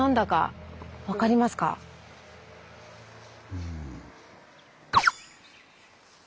うん。